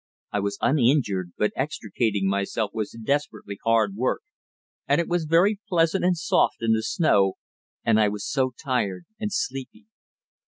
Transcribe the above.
I was uninjured, but extricating myself was desperately hard work, and it was very pleasant and soft in the snow, and I was so tired and sleepy.